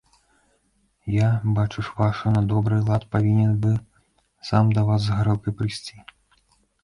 Я, бачыш, ваша, на добры лад павінен бы сам да вас з гарэлкай прыйсці.